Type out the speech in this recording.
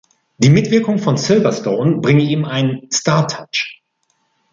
Die Mitwirkung von Silverstone bringe ihm einen "„Star-Touch“".